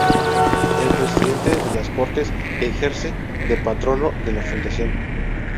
El presidente de las Cortes ejerce de patrono de la fundación.